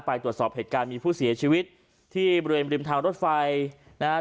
ไปตรวจสอบเหตุการณ์มีผู้เสียชีวิตที่บริเวณริมทางรถไฟนะฮะชุมทางบางซื่อขี้